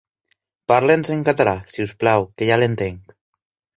Parli'ns en català, si us plau, que ja l'entenc.